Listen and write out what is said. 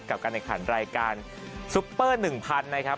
กับการแข่งขันรายการซุปเปอร์๑๐๐๐นะครับ